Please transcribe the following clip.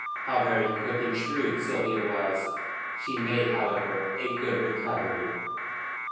How very quick and shrewd Sylvia was! She made, however, a good recovery.